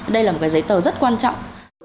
đây là một cái giấy tờ rất quan trọng